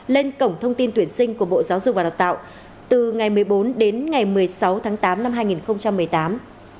lên cổng thông tin tuyển sinh của bộ giáo dục và đào tạo từ ngày một mươi bốn đến ngày một mươi sáu tháng tám năm hai nghìn một mươi tám